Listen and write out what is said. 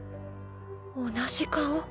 同じ顔？